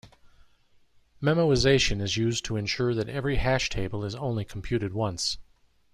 Memoization is used to ensure that every hash table is only computed once.